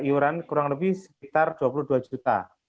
iuran kurang lebih sekitar dua puluh dua juta